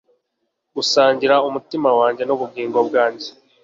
gusangira umutima wanjye n'ubugingo bwanjye